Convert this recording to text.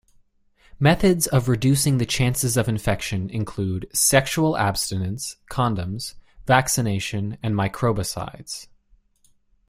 Methods of reducing the chances of infection include sexual abstinence, condoms, vaccination, and microbicides.